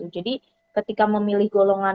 jadi ketika memilih golongan